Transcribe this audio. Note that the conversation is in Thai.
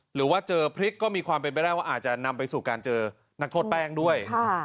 หรือว่าเจอพริกก็มีความเป็นไปได้ว่าอาจจะนำไปสู่การเจอนักโทษแป้งด้วย